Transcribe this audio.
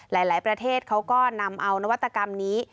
หลายประเทศเขาก็นำเอานวัตกรรมนี้